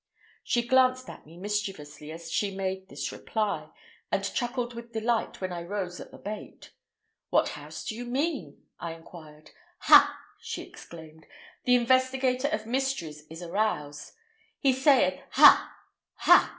She glanced at me mischievously as she made this reply, and chuckled with delight when I rose at the bait. "What house do you mean?" I inquired. "Ha!" she exclaimed, "the investigator of mysteries is aroused. He saith, 'Ha! ha!'